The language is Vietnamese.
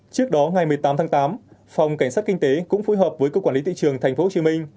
trước đó ngày một mươi tám tháng tám phòng cảnh sát kinh tế cũng phối hợp với cục quản lý thị trường tp hcm